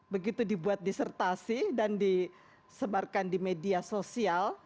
begitu dibuat disertasi dan disebarkan di media sosial